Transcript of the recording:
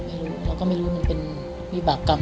ไม่รู้เราก็ไม่รู้มันเป็นวิบากรรม